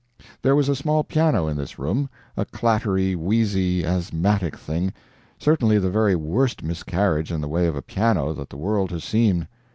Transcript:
There was a small piano in this room, a clattery, wheezy, asthmatic thing, certainly the very worst miscarriage in the way of a piano that the world has seen.